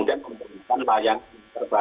guru harus lebih memahami bagaimana kondisi orang tua